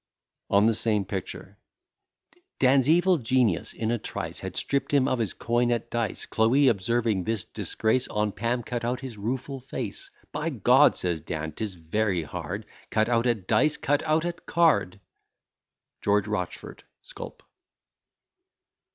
_ ON THE SAME PICTURE Dan's evil genius in a trice Had stripp'd him of his coin at dice. Chloe, observing this disgrace, On Pam cut out his rueful face. By G , says Dan, 'tis very hard, Cut out at dice, cut out at card! G. ROCHFORT _sculp.